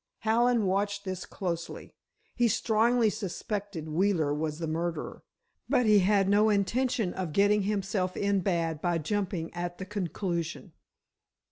Hallen watched this closely. He strongly suspected Wheeler was the murderer, but he had no intention of getting himself in bad by jumping at the conclusion.